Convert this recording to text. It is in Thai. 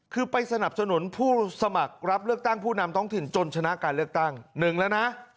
คือไปสนับสนุนผู้สมัครรับเลือกตั้งผู้นำท้องถิ่นจนชนะการเลือกตั้งหนึ่งแล้วนะ